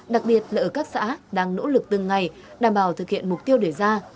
đặc biệt là ở các xã đang nỗ lực từng ngày đảm bảo thực hiện mục tiêu đề ra